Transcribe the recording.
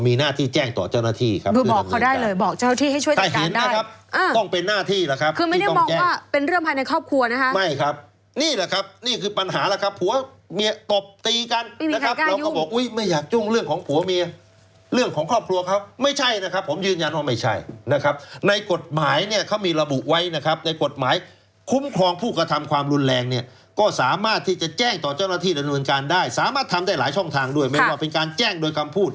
มีหน้าที่แจ้งต่อเจ้าหน้าที่ครับพลคุมของการกระทำความรุนแรงในครอบครัว๒๕๕๐ระบุไว้ว่าผู้ถูกกระทำความรุนแรงในครอบครัว๒๕๕๐ระบุไว้ว่าผู้ถูกกระทำความรุนแรงในครอบครัว๒๕๕๐ระบุไว้ว่าผู้ถูกกระทำความรุนแรงในครอบครัว๒๕๕๐ระบุไว้ว่าผู้ถูกกระทำความรุนแรงในครอบครัว๒๕๕๐ระบุไว้ว่าผู้ถ